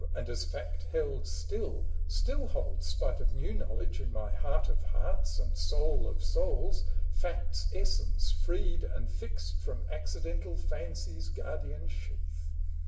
and as fact held still, still hold, Spite of new knowledge, in my heart of hearts And soul of souls, fact's essence freed and fixed From accidental fancy's guardian sheath.